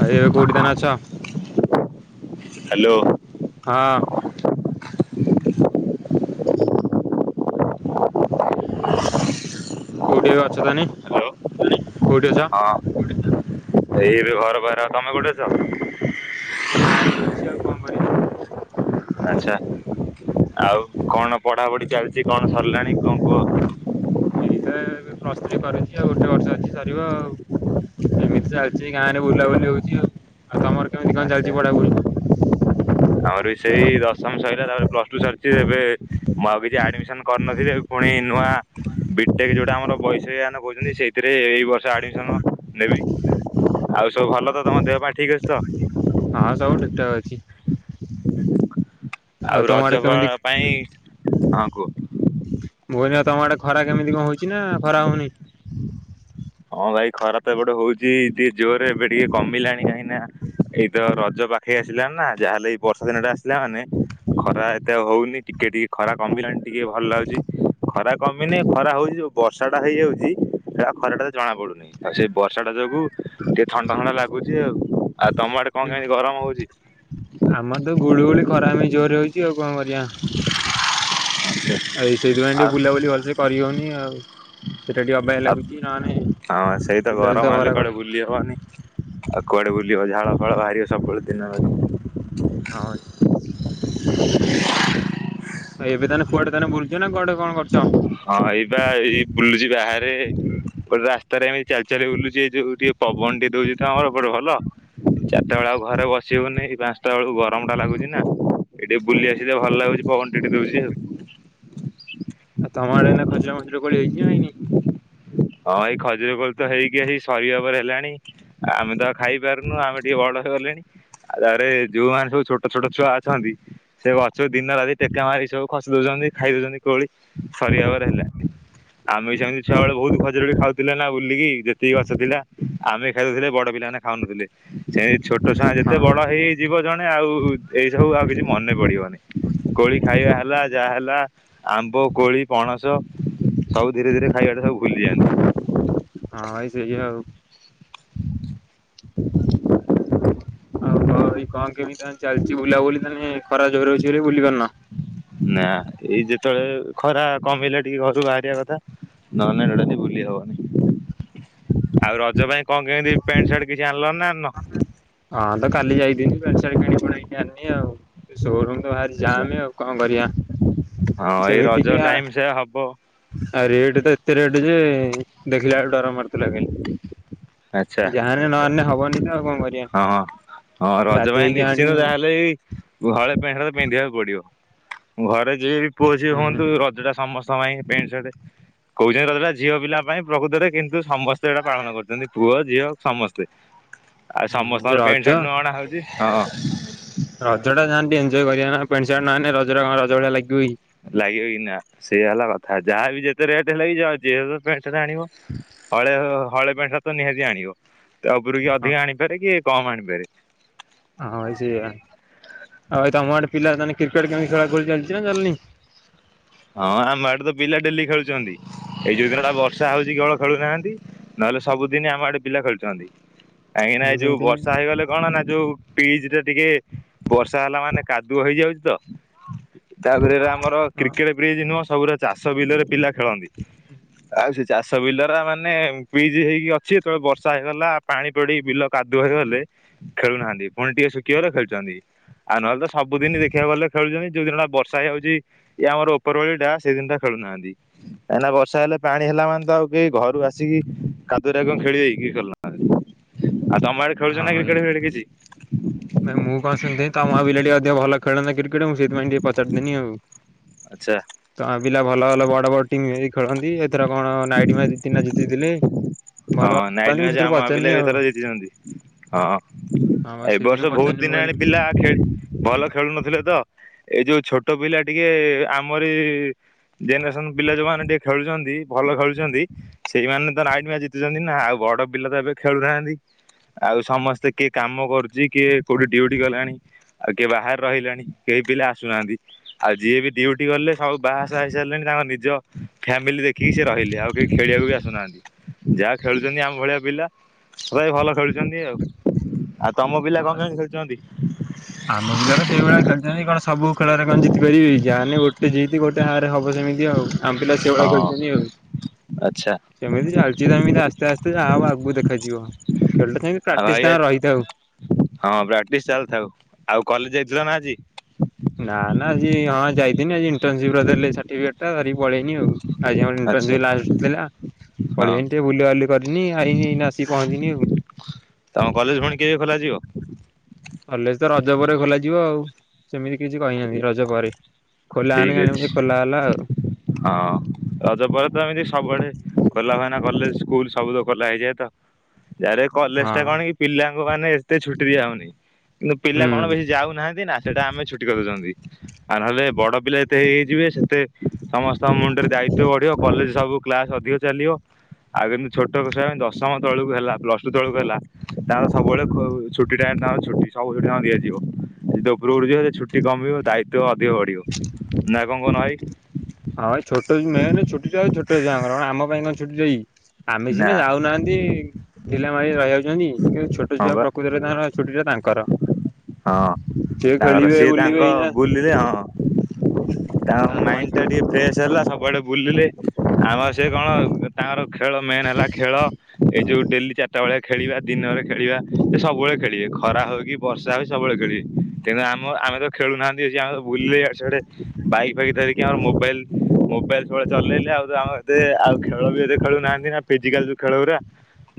ଆଉ ଏବେ କୋଉଠି ତାନେ ଅଛ? [inaudible] କଉଠି ଏବେ ଅଛ କଉଠି ଅଛ? ହଁ, ଏଇ ଏବେ ଘର, ତମେ କଉଠି ଅଛ? [inaudible] ଆଚ୍ଛା! ଆଉ କ'ଣ ପଢ଼ାପଢ଼ି ଚାଲ୍ଚି, କ'ଣ ସର୍ଲାଣି କୁହ? [inaudible] ପ୍ଲସ୍‌ଥ୍ରୀ କରି ଆଉ ଗୋଟେ ବର୍ଷ ଅଛି ସରିବ, ଏମିତି ଚାଲ୍ଚି ଗାଁରେ ବୁଲାବୁଲି ହଉଚି ଆଉ। ଆଉ ତମର କେମିତି କ'ଣ ଆଚ୍ଛା ଚାଲିଚି ପଢା? ଆମର ବି ସେଇ ଦଶମ ସଇଲା, ତା'ପରେ ପ୍ଲସ୍‌ଟୁ ସରିି ଏବେ। ମୁଁ ଆଉ କିଛି ଆଡ୍‌ମିସନ୍‌ କରି ନଥିଲି, ଏବେ ପୁଣି ନୂଆ ବିଟେକ୍ ଯଉଟା ଆମର କହୁଚନ୍ତି, ସେଇଥିରେ ଏଇ ବର୍ଷ ଆଡ୍‌ମିସନ ନେବି। ଆଉ ସବୁ ଭଲ ତ, ତମ ଦେହ ପା ଠିକ୍ ଅଛି ତ? ହଁ, ସବୁ ଠିକ୍ ଠାକ୍ ଅଛି। ଆଉ ତମ ଆଡ଼େ କେମିତି ପାଇଁ ହଁ କୁହ। ମୁଁ କହିଲି, ଆଉ ତମ ଆଡ଼େ ଖରା କେମିତି କ'ଣ ହଉଚି ନା ଖରା ହଉନି? ହଁ, ଭାଇ ଖରା ତ ଏପଟେ ହଉଚି, ଟିକେ ଜୋର୍ ରେ ଏବେ ଟିକେ କମିଲାଣି। କାହିଁ ନା ଏଇତ ରଜ ପାଖେଇ ଆସିଲା ନା। ଯାହା ହେଲେ ବର୍ଷା ଦିନ ଟା ଆସିଲା ମାନେ, ଖରା ଏତେ ଆଉ ହଉନି ଟିକେ ଟିକେ ଖରା କମିଲାଣି ଟିକେ ଭଲ୍ ଲାଗୁଚି, ଖରା କମିନି ଖରା ହଉଚି। ବର୍ଷା ଟା ହେଇଯାଉଚି [inaudible] ଜଣା ପଡୁ ଆଉ ସେଇ ବର୍ଷା ଟା ଯୋଗୁ ଟି ଥଣ୍ଡା ଥଣ୍ଡା ଲାଗୁଚି ଆଉ। ଆଉ ତମ ଆ କଣ କେମିତି ଗରମ ହଉଛି? ଆମର ତ ଗୁଳୁ ଗୁଳି ଖରା ହେମିତି ଜୋରେ ହଉଛି ଆଉ କଣ କରିବା। ଏଇ ସେଇଥିପାଇଁ ଟିକେ ଆଉ ବୁଲାବୁଲି ଭଲସେ କରି ହଉନି ଆଉ। ସେଟା ଟିକେ ଅବାଗିଆ ଆଉ ଲାଗୁଚି ନହେନେ ହଁ, ସେଇତ ବୁଲାବୁଲି ତ ଗରମ ଖରା ହେଲେ କଆଡେ ବୁଲି ହବନି। ଆଉ କୁଆଡେ ବୁଲିବ ଝାଳ ଫାଳ ବାହାରିବ ସବୁବେଳେ ଦିନ ଅଧେ। ହଁ ଏବେ ତାନେ କୁଆଡେ ତାନେ ବୁଲୁଚ ନା କୁଆଡେ କଣ କରଛ? ହଁ, ଏଇ ବା ଏଇ ବୁଲୁଛି ବାହାରେ। ଗୋଟେ ରାସ୍ତାରେ ଏମିତି ଚାଲି ଚାଲି ବୁଲୁଚି ଏ ଯୋଉ ଟିଏ ପବନ ଟିକେ ଦଉଚି ତ ଆମର ପଟେ ଭଲ। ଚାରିଟା ବେଳେ ଆଉ ଘରେ ବସିହଉନି ଏଇ ପାଂଶ ଟା ବେଳକୁ ଗରମ ଟା ଲାଗୁଛି ନା ଏ ଟିକେ ବୁଲି ଆସିଲେ ଭଲ ଲାଗୁଛି ପବନ ଟିକେ ଟିକେ ଦଉଛି ଆଉ। ଆଉ ତମ ଆଡ଼େ ଏଇନା ଖଜିର ମଜିର କୋଳି ହେଇଚି ନା ହେଇନି। ହଁ, ଏଇ ଖଜିର କୋଳି ତ ହେଇକି ଆସି ସରିବା ଉପରେ ହେଲାଣି। ଆମେ ତ ଖାଇ ପାରୁନୁ ଆମେ ଟିକେ ବଡ ହେଇ ଗଲେଣି ଆଉ ତାପରେ ଯୋଉମାନେ ସବୁ ଛୋଟ ଛୋଟ ଛୁଆ ଅଛନ୍ତି‌। ସେ ଗଛକୁ ଦିନ ରାତି ଟେକା ମାରି ସବୁ ଖସି ଦଉଛନ୍ତି ଖାଇ ଦଉଛନ୍ତି କୋଳି ସରିିବାପରେ ହେଲାଣି। ଆମେ ବି ସେମିତି ଛୁଆ ବେଳେ ବହୁତ ଖଜିରି କୋଳି ଖାଉଥିଲେ ନା, ବୁଲିକି ଯେତିକି ଗଛ ଥିଲା। ଆମେ ଖାଇ ଦଉଥିଲେ ବଡ ପିଲାମାନେ ଖାଉନଥିଲେ ସେମତି ଛୋଟ ଛୁଆଙ୍କ ହଁ ଯେତେ ବଡ ଭାଇ। ହେଇ ଯିବ ଜଣେ ଆଉ ଏଇ ସବୁ ଆଉ କିଛି ମନେ ପଡିବନି। କୋଳି ଖାଇବା ହେଲା ଯାହା ହେଲା ଆ ମ୍ୱ, କୋଳି, ପଣସ ସବୁ ଧୀରେ ଧୀରେ ଖାଇବାଟା ସବୁ ଭୁଲିଯାଆନ୍ତି। ହଁ, ଭାଇ ସେଇଆ ଆଉ। ଆଉ ହଁ, ଭାଇ କଣ କେମିତି ତାହାଲେ ଚାଲିଚି ବୁଲାବୁଲି ତାନେ ଖରା ଜୋରରେ ହଉଚି ବୋଲି ବୁଲି ପାରୁନ। ନା, ଏଇ ଯେତେବେଳେ ଖରା କମିଲେ ଟିକେ ଘରୁ ବାହାରିବା କଥା। ନହେଲେ ନାଇ ଟୋଟାଲି ବୁଲି ହବନି। ଆଉ ରଜ ପାଇଁ କଣ କେମିତି ପ୍ୟାଣ୍ଟ, ସାର୍ଟ କିଛି ଆଣିଲଣି ନା ଆଣିନ? ହଁ, ତ କାଲି ଯାଇଥିନି ପ୍ୟାଣ୍ଟ, ସାର୍ଟ କିଣି କୁଣାକି ଆଣିନି ଆଉ। ସେ ସୋରୁମ ତ ଭାରି ଆଚ୍ଛା ଯାଆମ ଆଉ କଣ କରିବା? ହଁ, ଏଇ ସେମିତି ଟିକେ ରଜ ଆ ଟାଇମ ସେଇଆ ହବ। ଆଉ ରେଟ ତ ଏତେ ରେଟ୍ ଯେ ଦେଖିଲା ବେଳକୁ ଡର ମାଡୁଥିଲା ଆଚ୍ଛା। କାଲି। ଯା ହାଲେ ନ ଆଣିନେ ହବନି ନା‌ ଆଉ କଣ କରିବି। ହଁ ହଁ ରଜ ପାଇଁ ନିଶ୍ଚିନ୍ତ ଆଣିନୁ ଯାହା ହେଲେ ବି। ଗୁ ହଳେ ପେଣ୍ଟ ସାର୍ଟ ପିନ୍ଧିବାକୁ ପଡିବ ଘରେ ଯିଏ ବି ପୁଅ ଝିଅ ହୁଁ। ହୁଅନ୍ତୁ ରଜ ଟା ସମସ ସ ପାଇଁ ପେଣ୍ଟ ସାର୍ଟ। କହୁଛନ୍ତି ରଜଟା ଝିଅ ପିଲା ପାଇଁ ପ୍ରକୃତରେ କିନ୍ତୁ ସମସ୍ତେ ଏଇଟା ପାଳନ କରୁଛନ୍ତି ପୁଅ ଝିଅ ସମସ୍ତେ। ଆଉ ହୁଁ ସମସ୍ତଙ୍କର ପ୍ୟାଣ୍ଟ ରଜ ସାର୍ଟ ନୂଆ ଅଣା ହଉଛି ହଁ। ରଜ ଟା ଯାହେନେ ଟିକେ ଏଞ୍ଜଏ କରିବା ନା ପେଣ୍ଟ ସାର୍ଟ ନ ଆଇଁଲେ ରଜ କଣ ରଜ ଭଳିଆ ଲାଗିବ କି। ଲାଗିବ କି ନା ସେୟା ହେଲା କଥା ଯାହାବି ଯେତେ ରେଟ ହେଲେବି ଯାଏ ଜେହେ ପେଣ୍ଟ ସାର୍ଟ ଆଣିବ ହଳେ ହଳେ ପେଣ୍ଟ ସାର୍ଟ ତ ନିହାତି ଆଣିବ ତା ଉପର କିଏ ଅଧିକ ଆଣି ପାରେ କିଏ କମ ଆଣି ପରେ। ହଁ ଭାଇ ସେଇଆ ଆଉ ଭାଇ ତମ ଆଡେ ପିଲା ତାନେ କ୍ରିକେଟ କେମିତି ଖେଳ ଖୁଳି ଚାଲିଛି ନା ଚାଲିନି। ହଁ ଆମ ଆଡେ ତ ପିଲା ଡେଲି ଖେଳୁଛନ୍ତି ଏଇ ଯୋଉ ଦିନ ଟା ବର୍ଷା ହଉଛି କେବଳ ଖେଳୁନାହାନ୍ତି। ନହେଲେ ସବୁଦିନ ଆମ ଆଡେ ପିଲା ଖେଳୁଛନ୍ତି କାହିଁକି ନା ମୁଁ ଏଇ ଯୋଉ ଶୁଣିଥିନି ବର୍ଷା ହେଇଗଲେ କଣ ନା ଯୋଉ। ପିଜ ଟା ଟିକେ ବର୍ଷା ହେଲା ମାନେ କାଦୁଅ ହେଇଯାଉଛି ତ। ତାପରେ ଏରା ଆମର ହଁ କ୍ରିକେଟ ପ୍ରିଜ୍ ନୁହଁ ସବୁୁରା ଚାଷ ବିଲରେ ପିଲା ଖେଳନ୍ତି। ଆଉ ସେ ଚାଷ ବିଲରା ମାନେ ପିଜ୍ ହେଇକି ଅଛି ଯେତେବେଳେ ବର୍ଷା ହେଇଗଲା ପାଣି ପଡିକି ବିଲ। କାଦୁଅ ହୋଇଗଲେ ଖେଳୁନାହାନ୍ତି ପୁଣି ଟିକେ ଶୁଖିଗଲେ ଖେଳୁଛନ୍ତି। ଆଉ ନହେଲେ ତ ସବୁଦିନି ଦେଖିବାକୁ ଗଲେ ଖେଳୁଛନ୍ତି ଯୋଉ ଦିନଟା ବର୍ଷା ହେଇ ଯାଉଛି। ଇଏ ଆମର ଉପର ଓଳି ଟା ସେଇ ଦିନଟା ଖେଳୁ ନାହାନ୍ତି। କାଁଇ ନା ବର୍ଷା ହେଲେ ପାଣି ହେଲା ମାନେ ଆଉ କେହି ଘରୁ ଆସିକି କାଦୁରେ ରେ ଆଉ କଣ ଖେଳିବେ କି ଖେଳୁ ନାହାନ୍ତି। ଆଉ ତମ ଆଡେ। ହଁ ଭାଇ। କିଛି? ଭାଇ ମୁଁ କଣ ଶୁଣିଥିଲି ତମ ଗାଁ ପିଲାଟି ଅଧିକ ଭଲ ଖେଳନ୍ତୀ କ୍ରି କେଟ ମୁଁ ସେଥିପାଇଁ ଟିକେ ପଚାରିଦେନି ଆଉ। ଆଚ୍ଛା। ତ ପିଲା ଭଲ ଭଲ ବଡ଼ ବଡ଼ ଟିମ୍ ବି ଖେଳନ୍ତି ଏଥର କଣ ନାଇଟ ମ୍ୟାଚ୍ ଦି ତିନଟା ଜିତିଥିଲେ। ହଁ ଭଲ ନାଇଲି ଖେଳନ୍ତି ମୁଁ ମାଚ ସେଥିରେ ଆମୋ ଗାଁ ପଚାରିନି ପିଲାବି ଆଉ ଏଥର ଜିତିଛନ୍ତି ହଁ। ହଁ ବା ଏ ସେଇଥିପାଇଁ ବର୍ଷ ବହୁତ ପଚାରିନି ମୁଁ ଦିନ କହିଲି ଆଣି ପିଲା ଖେ ଭଲ ଖେଳୁ ନଥିଲେ ତ ଏଇ ଯୋଉ ଛୋଟ ପିଲା ଟିକେ ଆମରି। ଜେନେରେସନ ପିଲା ଯୋଉମାନେ ଟିକେ ଖେଳୁଛନ୍ତି ଭଲ ଖେଳୁଛନ୍ତି ସେଇମାନେ ତ ନାଇଟ ମାଚ ଜି ତିଛନ୍ତିନା ଆଉ ବଡ଼ ପିଲା ତ ଏବେ ଖେଳୁନାହାନ୍ତି। ଆଉ ସମସ୍ତେ କିଏ କାମ କରୁଛି କିଏ କୋଉଠି ଡିଉଟି ଗଲାଣି। ଆଉ କିଏ ବାହାରେ ରହିଲାଣି କେହି ପିଲା ଆସୁନାହାନ୍ତି। ଆଉ ଯିଏ ବି ଡିଉଟି ଗଲେ ସବୁ ବାହାଶାହା ହେସାରିଲେଣି ତାଙ୍କ ନିଜ ଫ୍ୟାମିଲି ଦେଖିକି ସେ ରହିଲେ ଆଉ କେହି ଖେଳିବାକୁ ବି ଆସୁନାହାନ୍ତି ଯାହା ଖେଳୁଛନ୍ତି ଆମ ଭଳିଆ ପିଲା। ଭାଇ ଭଲ ଖେଳୁଛନ୍ତି ଆଉ ଆଉ ତମ ପିଲା କଣ ହଁ କେମିତି ଖେଳୁଛନ୍ତି? ଆମ ପିଲା ତ ସେଇଭଳିଆ ଖେଳୁଛନ୍ତି କଣ ସବୁ ଖେଳରେ କଣ ଜିତି ପାରିବେ କି ଯାହାହେନ୍ନେ ଗୋଟେ ଜିତି ଗୋଟେ ହାରେ ହବ ସେମିତି। ହଉ ଆମପିିଲା ସେହିଭଳିଆ ହଁ ଖେଳୁଛନ୍ତି ଆଉ। ଆଚ୍ଛା। ସେମିତି ଚାଲିଛି ତ ଏମିତି ଆସ୍ତେ ଆସ୍ତେ ଯାହା ହବ ଆଗକୁ ଦେଖାଯିବ। ଖେଳଟା ସେମତି ଆଉ ଭାଇ ପ୍ରାକ୍ଟିସ ତାଙ୍କ ରହିଥାଉ। ହଁ ପ୍ରାକ୍ଟିସ ଚାଲିଥାଉ ଆଉ କଲେଜ ଯାଇଥିଲ ନା ଆଜି? ନା ନା ଆଜି ହଁ ଯାଇଥିନି ଆଜି ଇଣ୍ଟରନସିପ ର ଦେଲେ ସାର୍ଟିଫିକେଟ। ଧରିକି ପଳେଆଇନି ଆଉ ଆଜି ଆମର ଆଚ୍ଛା ଇଣ୍ଟର୍ନସିପ୍ ଲାଷ୍ଟ ଥିଲା। ହଁ ପଳେଇଆନି ଟିକେ ବୁଲାବୁଲି କରିନି ଆଇନି ଏଇନା ଆସିକି ପହଞ୍ଚିନି ଆଉ। ତମ କଲେଜ ଫୁଣି କେବେ ଖୋଲାଯିବ? କଲେଜ ତ ରଜ ପରେ ଖୋଲାଯିବ ଆଉ। ସେମିତି କିଛି କହିନାହାନ୍ତି ରଜ ପରେ ଖୋଲା ଠିକ ହେଲେ ଜାଣିବୁ ଅଛି। ଯେ ଖୋଲା ହେଲା ଆଉ। ହଁ ରଜ ପରେ ତ ଏମିତି ସବୁଆଡ଼େ ଖୋଲା ହବ ଏଇନା କଲେଜ ସ୍କୁଲ ସବୁ ତ ଖୋଲା ହେଇଯାଏ ତ। ଯାର କଲେଜ ଟା ହଁ। କଣ କି ପିଲାଙ୍କୁ ମାନେ ଏତେ ଛୁଟି ଦିଆଯାଉନି କିନ୍ତୁ ପିଲା ହୁଁ କଣ ବେଶୀ ଯାଉନାହାନ୍ତି ନା। ସେଇଟା ଆମେ ଛୁଟି କରିଦଉଛନ୍ତି ଆଉ ନହେଲେ ବଡ଼ ପିଲା ଏତେ ହେଇଯିବେ। ଏତେ ସମସ୍ତଙ୍କ ମୁଣ୍ଡରେ ଦାୟିତ୍ଵ ବଢ଼ିବ କଲେଜ ସବୁ କ୍ଲାସ ଅଧିକ ଚାଲିବ। ଆଉ କେମତି ଛୋଟ କିବା ପାଇଁ ଦଶମ ତଳକୁ ହେଲା ପ୍ଲସ ଟୁ ତଳକୁ ହେଲା। ତାଙ୍କର ସବୁବେଳେ ଛୁଟିଟା ତାଙ୍କର ଛୁଟି ସବୁଦିନ ଦିଆଯିବ [unintelligible] ଟିକେ କମିବ ଦାୟିତ୍ଵ ଅଧିକ ବଢ଼ିବ ନା କଣ କହୁନ ଭାଇ? ହଁ ଏ ଛୋଟ ମେନ ଛୋଟ ଛୁଆ ଆଉ ଛୋଟ ଛୁଆଙ୍କର କଣ ଆମ ପାଇଁ କଣ ଛୁଟି ଦେବେକି। ଆମେ ନା ସିନା ଯାଉନାହାନ୍ତି ଢିଲା [unintelligible] [unintelligible] ଛୋଟ ହଁ ଛୁଆ ବା ପ୍ରକୃତରେ ତାଙ୍କର ଛୁଟିଟା ତାଙ୍କର। ହଁ। ଯେ ଖଳିବେ ବୁଲିିବେ ଏଇନା‌। ପିଲେ ହଁ ତାଙ୍କ ମାଇଣ୍ଡ ଟା ଟିକେ ଫ୍ରେଶ ହେଲା ସବୁଆଡ଼େ ବୁଲିଲେ ଆମର ସେ କଣ? ତାଙ୍କର ଖେଳ ମେନ୍ ହେଲା ଖେଳ ଏଇ ଯୋଉ ଡେଲି ଚାରିଟା ବେଳେ ଖେଳିବା ଦିନରେ ଖେଳିବା ସେ ସବୁବେଳେ ଖେଳିବେ ଖରା ହଉକି ବର୍ଷା ହଉ ସବୁବେଳେ ଖେଳିବେ ତେଣୁ ଆମ ଆମେ ତ ଖେଳୁନାହାନ୍ତି ସେ ଆ ବୁଲିଲେ ୟାଡେ ସିଆଡେ ବାଇକ୍ ଫାଇକ ଧରିକି ଆଉ ମୋବାଇଲ। ମୋବାଇଲ ସବୁବେଳେ ଚଲେଇଲେ ଆଉ ଆମ ଏତେ ଆଉ ଖେଳ ବି ଏତେ ଖେଳୁନାହାନ୍ତି ନା ଫିଜିକାଲ ଯଉ ଖେଳ ଗୁରା।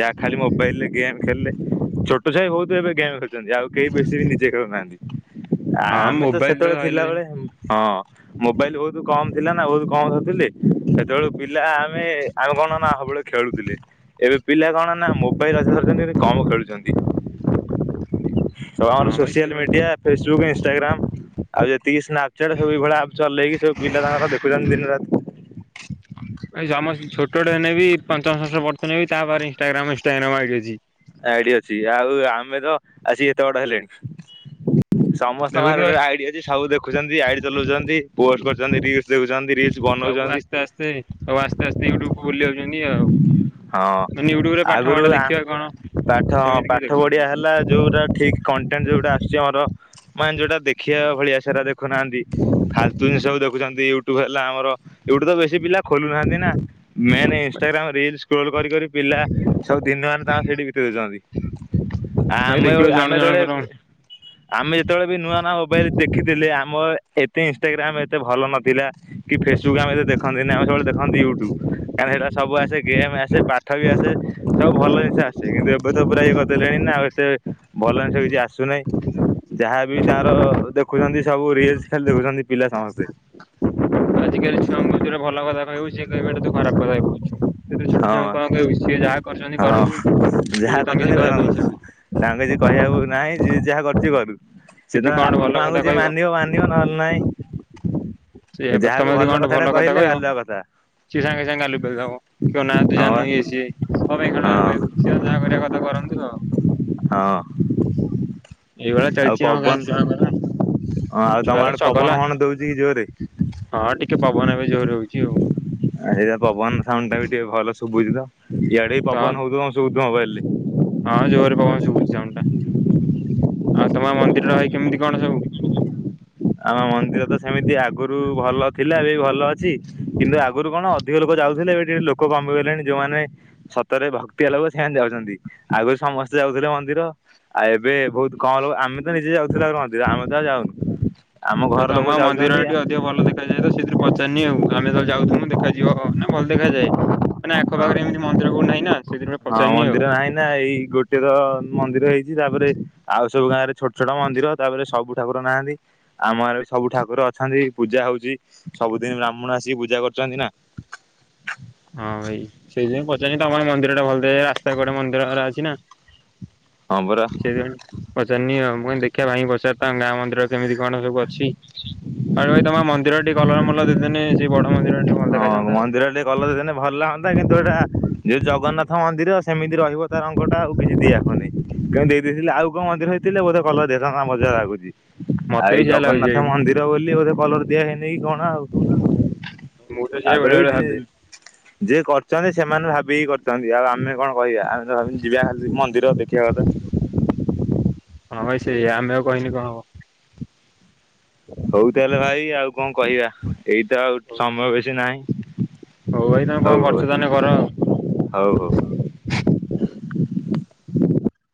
ଯାହା ଖାଲି ମୋବାଇଲ ରେ ଗେମ୍ ଖେଳିଲେ ଛୋଟ ଛୁଆ ବି ବହୁତ ଏବେ ଗେମ୍ ଖେ ଆଉ କେହି ବେଶୀ ବି ନିଜେ ଖେଳୁନାହାନ୍ତି ଆ ହଁ ଆମେ ତ ମୋବାଇଲ ସେତେବେଳେ ଧଇଲେ ଥିଲାବେଳେ। ହଁ ମୋବାଇଲ ବହୁତ କମ ଥିଲା ନା ବହୁତ କମ ଧରୁ ଥିଲେ। ସେତେବେଳ ପିଲା ଆମେ ଆମେ କଣ ନା ସବୁବେଳେ ଖେଳୁଥିଲେ ଏବେ ପିଲା କଣ ନା ମୋ [unintelligible] କମ ଖେଳୁଛନ୍ତି। ହଁ ସବୁଆମର ଭାଇ ସୋସିଆଲ ସେଇଭଳିଆ ମିଡିଆ ଫେସବୁକ୍ ଇନଷ୍ଟାଗ୍ରାମ। ଆଉ ଯେତିକି ସ୍ନାପଚଟ ସବୁ ଏଇ ଭଳିଆ ଚଲେଇକି ସବୁ ପିଲା ତାଙ୍କର ଦେଖୁଛନ୍ତି ଦିନ ରାତି। ଏଇ ସେ ଆମର ସେ ଛୋଟ ହେନେ ବି ପଞ୍ଚମ ଷଷ୍ଠ ପଢୁଚନ୍ତି ବି ତା ପାଖରେ ଇନଷ୍ଟାଗ୍ରାମ ଇନଷ୍ଟାଗ୍ରାମ ଆଇଡି ଅଛି। ଆଇଡି ଅଛି ଆଉ ଆମେ ତ ଆସିକି ଏତେ ବଡ ହେଲେଣି। ସମସ୍ତଙ୍କ ପାଖରେ ଦେଖୁଥିବ ଗୋଟେ ଗୋଟେ ଆଇଡି ଅଛି। ସବୁ ଦେଖୁଚନ୍ତି ଆଇଡି ଚଲଉଚନ୍ତି। ପୋଷ୍ଟ କରୁଚନ୍ତି। ରିଲସ୍ ଦେଖୁଛନ୍ତି। ରିଲସ୍ ସବୁ ଆସ୍ତେ ଆସ୍ତେ ସବୁ ଆସ୍ତେ ଆସ୍ତେ ୟୁଟ୍ୟୁବ କୁ ଭୁଲି ଯାଉଛନ୍ତି ଆଉ। ହଁ ମାନେ ୟୁଟ୍ୟୁବ ରେ ପାଠ ଆଗରୁ ମାଠ ଆ ଦେଖିବା କଣ ପାଠ ହଁ ସେମିତି କେହି ପାଠ ପଢିବା ଦେଖୁନାହାନ୍ତି। ହେଲା ଯୋଉଟା ଠିକ କଣ୍ଟେଣ୍ଟ ଯୋଉଟା ଆସୁଚି ଆମର ମାନେ ଯୋଉଟା ଦେଖିବା ଭଳିଆ ସେଟା ଦେ ଖୁନାହାନ୍ତି ଫାଲତୁ ଜିନିଷ କୁ ଦେଖୁଚନ୍ତି। ୟୁ ଟୁବ ହେଲା ଆମର ୟୁଟ୍ୟୁବ ତ ବେଶୀ ପିଲା ଖୋଲୁନାହାନ୍ତି ନା। ମେନ୍ ଇନଷ୍ଟାଗ୍ରାମ ରିଲସ୍ ସ୍କୋଲ କରି କରି ପିଲା ସବୁ ଦିନ ମାନ ତାଙ୍କ ସେଇଠି ବିତେଇ ଦଉଚନ୍ତି। ଭାଇ ଆମେ ଅ, ଦେଖିବ ଜଣ ଆମେ ଜଣଙ୍କର ଯେତେବେଳେ ଆମେ ଯେତେବେଳେ ବି ନୂଆ ନୂଆ ମୋବାଇଲ୍ ଦେଖିଥିଲେ ଆମ ଏତେ ଇନଷ୍ଟାଗ୍ରାମ ଏତେ ଭଲ ନଥିଲା। କି ଫେସବୁକ୍ ଆମେ ଦେଖନ୍ତିନି। ଆମେ ସବୁବେଳେ ଦେଖନ୍ତି ୟୁଟୁବ। କାରଣ ସେଇଟା ସବୁ ଆସେ ଗେମ୍ ଆସେ, ପାଠ ବି ଆସେ, ସବୁ ଭଲ ଜିନିଷ ଆସ ସେ କିନ୍ତୁ ଏବେ ତ ପୁରା ଇଏ କର ଦେଲେଣି ନା ଆଉ ଏତେ ଭଲ ସେ କିଛି ଆସୁନାହିଁ। ଯାହା ବିି ତାର ଦେଖୁଛନ୍ତି ସବୁ ରିଲସ୍ ଖାଲି ଦେଖୁଛନ୍ତି ପିଲା ସମସ୍ତେ। ଆଜିକାଲି ଛୁଆ ମା [unintelligible] ରେ ଭଲ କଥା କହିବୁ ସିଏ କହିବେ ଏଟା ତୁ ଖରାପ କଥା ହି କହୁଛୁୁ। ଏଇଥିରେ ଛୋଟ ହଁ। ଛୁଆଙ୍କୁ କଣ କହିବୁ ସିଏ ଯାହା କରିଛନ୍ତି ହଁ କରନ୍ତୁ। ଯାହା ଏବେ ତାଙ୍କୁ କରୁଛନ୍ତି କିଛି କହିବା କରନ୍ତୁ ପାଇଁ ଇଚ୍ଛା ହଉ ନାହିଁ ତାଙ୍କୁ କିଛି କହିବାକୁ ନାହିଁ ଯିଏ ଯାହା କରୁଛି କରୁ। ‌ ସେ ଯଦି ଯାହା କଣ ଗୋଟେ ଆପଣ ଭଲ କଥା ମାନଙ୍କୁ ଯିଏ କହିବ ମିନିବ ମାନିବ। ନହେଲେ ନାଇଁ। ସେ ହେବ ତୋମେ ଯଦି କଣ ଗୋଟେ ଭଲ କଥା କହିଲେ କହିବ। ଗାଲୁଆ କଥା ସିଏ ସାଙ୍ଗେ ସାଙ୍ଗେ ଗାଲୁ ପେଲ ଦବ। କହିବ ନା ତୁ ହଁ ବା ଜାଣିନୁ ଇଏ ସିଏ। କଣ ପାଇଁ [inaudible] କହିବୁ। ହଁ। ସିଏ ତାଙ୍କ ଯାହା କରିବା କଥା କରନ୍ତୁ ଆଉ। ହଁ ଏଇଭଳିଆ ଆଉ ଚାଲିଚି ଆମ ଗାଁ ପବନ ଛୁଆଙ୍କର, ଛୁଆ ତ ଚଗଲା। ତି ଜୋରେ। ହଁ ଟିକେ ପବନ ଏବେ ଜୋରରେ ହଉଚି ଆଉ। ଆ, ହେଇ ପା ପବନ ସାଉଣ୍ଡଟା ବି ଟିକେ ଭଲ ଶୁଭୁଛି ତ। ଇଆଡେ ବି ତ ପବନ ହଉଥୁବ ଶୁଭୁଥୁବ ମୋବାଇଲ୍ ରେ। ହଁ ଜୋରରେ ପବନ ଶୁଭୁଛି ସାଉଣ୍ଡଟା। ଆଉ ତୋମ ମନ୍ଦିର ଟା ଭାଇ କେମିତି କଣ ସବୁ? ଆମ ମନ୍ଦିର ତ ସେମିତି ଆଗରୁ ଭଲ ଥିଲା, ଏବେବି ଭଲ ଅଛି। କିନ୍ତୁ ଆଗରୁ କଣ ଅଧିକ ଲୋକ ଯାଉଥିଲେ ଏବେ ଟିକେ ଲୋକ କମି ଗଲେଣି। ଯୋଉମାନେ ସତରେ ଭକ୍ତିଆ ଲୋକ ସେମାନେ ଯାଉଛନ୍ତି। ଆଗରୁ ସମସ୍ତେ ଯାଉଥିଲେ ମନ୍ଦିର। ଆଉ ଏବେ ବହୁତ କମ ଲୋକ ଆମେ ତ ନିଜେ ଯାଉଥିଲୁ। ଆଗରୁ ମନ୍ଦିର ଆମେ ତ ଆଉ ଯାଉନୁ। ଆମ ଏ ଘର ଲୋକ ତୋମ ମନ୍ଦିର ଯାଉଛନ୍ତି ରେ ଟିକେ ଅ ଧିକ ଭଲ ଦେଖାଯାଏ ତ ସେଥିରୁ ପଚାରିନି ଆଉ ଆମେ ତ ଯାଉଥୁମୁ ଦେଖାଯିବ ନା ଭଲ ଦେଖାଯାଏ। ମାନେ ଆଖ ହଁ। ପାଖରେ ଏମିତି ମନ୍ଦିର କୋଉଠି ନାହିଁ ନା ସେ [unintelligible] ହଁ ମନ୍ଦିର ନାହିଁ ନା ଏଇ ଗୋ ସିଏ ତମନ୍ଦିର ହେଇଚି। ତାପରେ ଆଉ ସବୁ ଗାଁରେ ଛୋଟ ଛୋଟ ମନ୍ଦିର। ତାପରେ ସବୁ ଠାକୁର ନାହାନ୍ତି। ଆମ ଆରେ ସବୁ ଠାକୁର ଅଛନ୍ତି ବି ପୂଜା ହଉଚି। ସବୁଦିନ ବ୍ରାହ୍ମଣ ଆସିକି ପୂଜା କରୁଛନ୍ତି ନା। [inaudible] ହଁ ଭାଇ। ସେଇଥିପାଇଁ ପଚାରି ତୋମର ମନ୍ଦିରଟା ଭଲ ଦେ, ଏ ରାସ୍ତା କଡ ମନ୍ଦିର ଉରା ଅଛି ନା। ହଁ ପରା। ସେଇଥିପାଇଁ ପଚାରିନି ଆଉ ମୁଁ କହିନି ଦେଖିବା ଭାଇଙ୍କି ପଚାର ତ ତାଙ୍କ ଗାଁ ମନ୍ଦିର କେମିତି କଣ ସବୁ ଅଛି। ଆରେ ଭାଇ ତୋମ ମନ୍ଦିର ଟି କଲର ମଲର ଦେନେ ସେ ବଡ ମନ୍ଦିର ଟିକେ ଭଲ ଦେଖାଯାନ୍ତା ଆଉ। କଲର୍ ଦେନେ ଭଲହନ୍ତା କିନ୍ତୁ ଏଇଟା ଯୋଉ ଜ ଗନ୍ନାଥ ମନ୍ଦିର ସେମିତି ରହିବ ତା ରଙ୍ଗଟା ଆଉ କିଛି ଦିଆହଉନି। କେମତି ଦେଇଦେଇଥିଲେ ଆଉ କୋଉ ମନ୍ଦିର ହେଇ ଥିଲେ ବୋଧେ କଲର ଦିଆହେଇଥାନ୍ତା ମୋତେ ଯାହା ଲାଗୁଛି। ଆଉ ମତେ ଏଇ ବି ସେଇଆ ଲାଗୁଛି ଜଗନ୍ନାଥ ଭାଇ ମନ୍ଦିର ବୋଲି ବୋଧେ କଲର ଦିଆ ହେଇନି କି କଣ ଆଉ। ମୁଁ ତ ସେଇଆ ତାପରେ ବେଳେ ବି ବେଳେ ଯିଏ ଭାବେ। ଯିଏ କରିଛନ୍ତି ସେମାନେ ଭାବିକି କରିଛନ୍ତି ଆଉ ଆମେ କଣ କହିବା ଆମେ ଯିବା ଖାଲି ମନ୍ଦିର ଦେଖିବା କଥା। ହଁ ଭାଇ ସେଇଆ ଆମେ ଆଉ କହିନେ କଣ ହବ ହଉ ତାହେଲେ ଭାଇ ଆଉ କଣ କହିବା ଏଇତ ଆଉ ସମୟ ବେଶୀ ନାହିଁ। ହଉ ଭାଇ ତମେ କଣ ହଉ କରୁଛ ତାହେଲେ କର ଆଉ। ହଉ ହଉ ହଉ